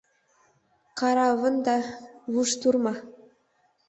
Каравында вуштурма.